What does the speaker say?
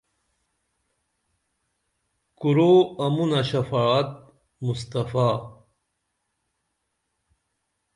کُرو امونہ شفاعت مصطفےٰ